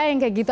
yang kayak gitu